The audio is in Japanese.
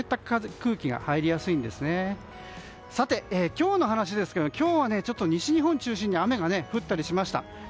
今日の話ですが今日は西日本中心に雨が降ったりしました。